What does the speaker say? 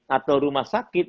atau rumah sakit